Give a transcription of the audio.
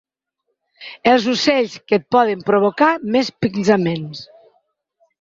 Els ocells que et poden provocar més pinçaments.